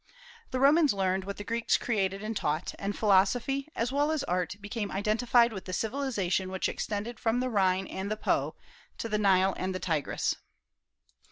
The Romans learned what the Greeks created and taught; and philosophy, as well as art, became identified with the civilization which extended from the Rhine and the Po to the Nile and the Tigris.